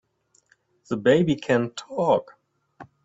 The baby can TALK!